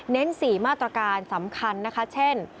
๔มาตรการสำคัญนะคะเช่น